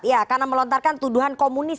ya karena melontarkan tuduhan komunis